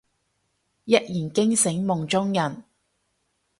一言驚醒夢中人